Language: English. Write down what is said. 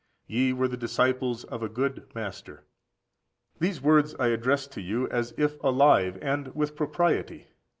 Ye were the disciples of a good Master. These words I address to you as if alive, and with propriety.